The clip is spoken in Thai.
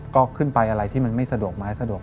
ก็ขึ้นไปอะไรที่มันไม่สะดวกไม้สะดวก